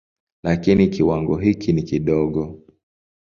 Lakini kiwango hiki ni kidogo.